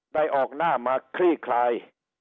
ได้ออกหน้ามาคลี่คลาย